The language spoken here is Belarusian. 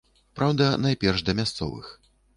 Праўда, найперш да мясцовых.